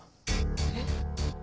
えっ？